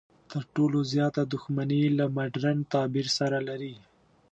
تر ټولو زیاته دښمني له مډرن تعبیر سره لري.